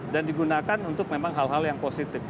digunakan untuk memang hal hal yang positif